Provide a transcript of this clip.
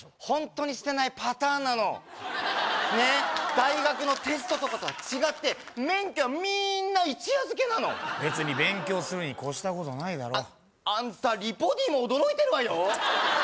ホントにしてないパターンなのねっ大学のテストとかとは違って免許はみんな一夜漬けなの別に勉強するに越したことないだろアンタリポＤも驚いてるわよ